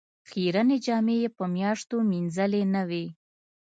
خیرنې جامې یې په میاشتو مینځلې نه وې.